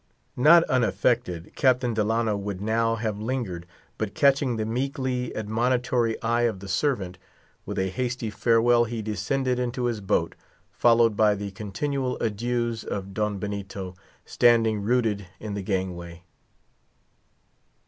Not unaffected, Captain Delano would now have lingered; but catching the meekly admonitory eye of the servant, with a hasty farewell he descended into his boat, followed by the continual adieus of Don Benito, standing rooted in the gangway.